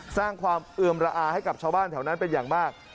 สร้างความเอือมระอาให้กับชาวบ้านแถวนั้นเป็นอย่างมาก